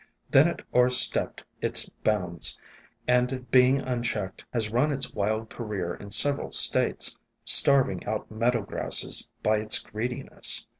Then it o'er stepped its bounds, and, being unchecked, has run its wild career in several states, starving i ESCAPED FROM GARDENS 69 out meadow grasses by its greediness.